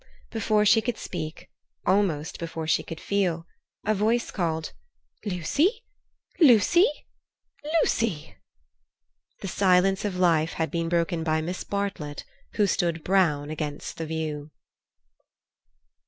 Before she could speak, almost before she could feel, a voice called, "Lucy! Lucy! Lucy!" The silence of life had been broken by Miss Bartlett who stood brown against the view.